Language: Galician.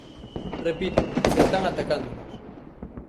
Repito, están atacándonos.